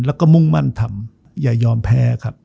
แล้วก็มุ่งมั่นทำอย่ายอมแพ้ครับ